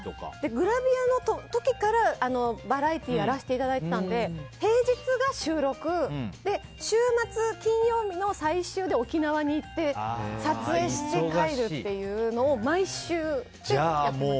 グラビアの時からバラエティーをやらせていただいていたので平日が収録、週末金曜日の最終で沖縄に行って撮影して帰るのを毎週やっていました。